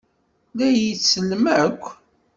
La iyi-tsellem akk?